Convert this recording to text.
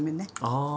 ああ。